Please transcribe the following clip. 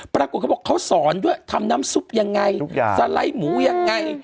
ปรากฏเขาบอกเขาสอนด้วยทำน้ำซุปยังไงสไลด์หมูยังไง